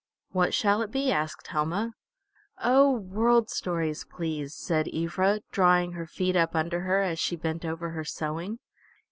"What shall it be?" asked Helma. "Oh, World Stories, please," said Ivra, drawing her feet up under her as she bent over her sewing.